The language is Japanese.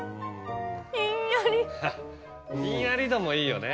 ひんやり度もいいよね。